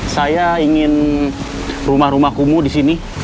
saya ingin rumah rumah kumuh disini